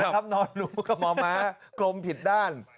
ครับนอนหนูกับหมอม้ากลมผิดด้าน